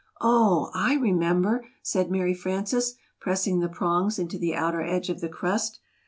"Oh, I remember!" said Mary Frances, pressing the prongs into the outer edge of the crust.